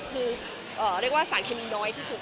คือเรียกว่าสารเคมีน้อยที่สุด